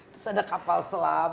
terus ada kapal selam